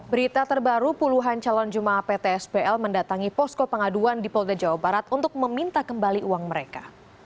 berita terbaru puluhan calon jum'at pt sbl mendatangi posko pengaduan di polte jawa barat untuk meminta kembali uang mereka